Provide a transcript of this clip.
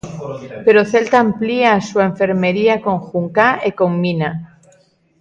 Pero o Celta amplía a súa enfermería con Juncá e con Mina.